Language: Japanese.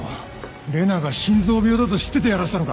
麗奈が心臓病だと知っててやらせたのか？